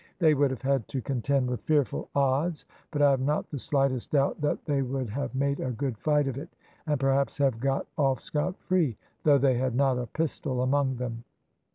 They would have had to contend with fearful odds, but I have not the slightest doubt that they would have made a good fight of it, and perhaps have got off scot free, though they had not a pistol among them.